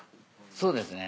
そうですね。